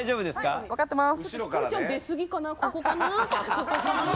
はい分かってます。